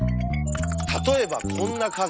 例えばこんな数！